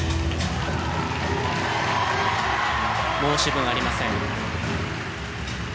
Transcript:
申し分ありません。